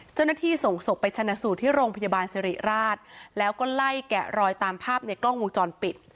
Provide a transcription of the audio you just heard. เจ้าหน้าที่ส่งศพไปชนะสูตรที่โรงพยาบาลสิริราชแล้วก็ไล่แกะรอยตามภาพในกล้องวงจรปิด